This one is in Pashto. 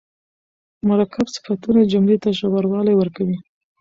مرکب صفتونه جملې ته ژوروالی ورکوي.